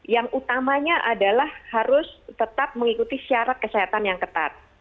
yang utamanya adalah harus tetap mengikuti syarat kesehatan yang ketat